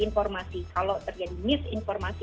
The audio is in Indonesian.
informasi kalau terjadi misinformasi